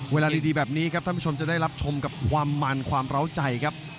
เวลาดีแบบนี้ครับท่านผู้ชมจะได้รับชมกับความมันความเล้าใจครับ